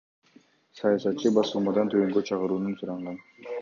Саясатчы басылмадан төгүнгө чыгарууну суранган.